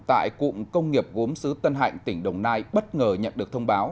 tại cụng công nghiệp gốm xứ tân hạnh tỉnh đồng nai bất ngờ nhận được thông báo